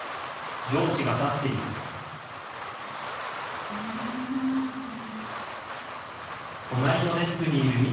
ハァ残業だなこれ。